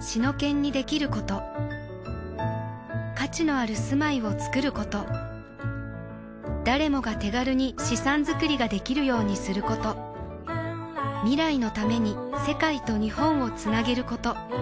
シノケンにできること価値のある住まいをつくること誰もが手軽に資産づくりができるようにすること未来のために世界と日本をつなげること